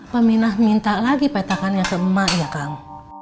pemina minta lagi petakannya ke emak ya kamu